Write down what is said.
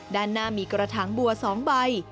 ด้านหน้ามีกระถางบัว๒ใบ